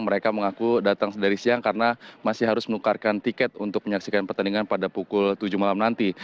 mereka mengaku datang dari siang karena masih harus menukarkan tiket untuk menyaksikan pertandingan pada pukul tujuh malam nanti